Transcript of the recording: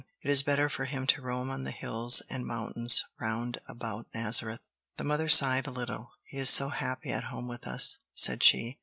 "It is better for him to roam on the hills and mountains round about Nazareth." The mother sighed a little. "He is so happy at home with us!" said she.